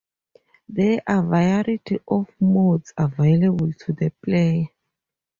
There are a variety of modes available to the player.